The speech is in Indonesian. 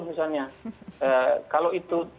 misalnya kalau itu